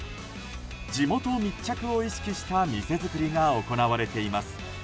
地元密着を意識した店作りが行われています。